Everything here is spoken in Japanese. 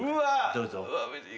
どうぞ。